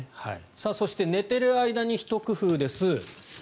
そして寝ている間にひと工夫です。